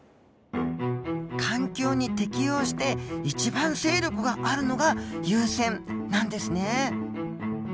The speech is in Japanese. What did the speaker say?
環境に適応して一番勢力があるのが優占なんですね。